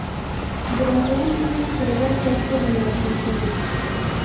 Durante un año probo suerte en Argentina.